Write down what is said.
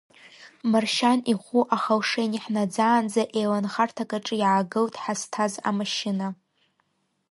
Маршьан ихәы Ахалшени ҳнаӡаанӡа еиланхарҭак аҿы иаагылт ҳазҭаз амашьына.